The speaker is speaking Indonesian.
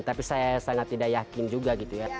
tapi saya sangat tidak yakin juga